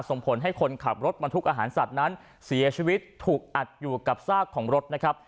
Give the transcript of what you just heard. ส่งผลให้คนขับรถบรรทุกอาหารสัตว์นั้นเสียชีวิตถูกอัดอยู่กับซากของรถนะครับ